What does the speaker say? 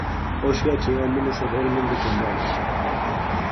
Hoxe achegámonos ao Dolmen de Dombate.